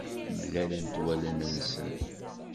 Mlalent wallen-nsen.